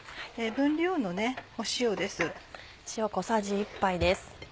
分量の塩です。